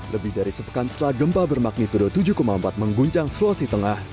lebih dari sepekan setelah gempa bermagnitudo tujuh empat mengguncang sulawesi tengah